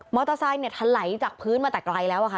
มอเตอร์ไซน์นี่ทะไหลจากพื้นมาแต่ไกลแล้วค่ะ